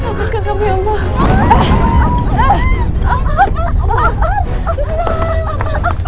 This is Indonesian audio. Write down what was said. selamatkan kami allah